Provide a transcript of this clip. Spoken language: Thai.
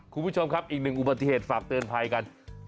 คุณผู้ชมครับอีกหนึ่งอุบัติเหตุฝากเตือนภัยกัน